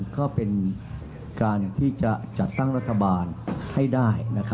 ก็เป็นการที่จะจัดตั้งรัฐบาลให้ได้